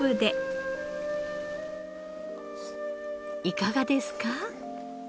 いかがですか？